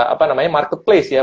apa namanya marketplace ya